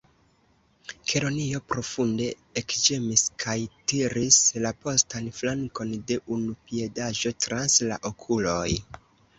Kelonio profunde ekĝemis, kaj tiris la postan flankon de unu piedaĵo trans la okuloj.